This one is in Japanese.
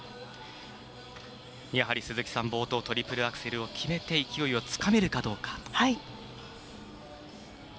やはり、鈴木さん冒頭トリプルアクセルを決めて勢いをつかめるかどうか。